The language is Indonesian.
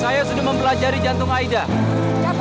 saya sudah mempelajari jantung aida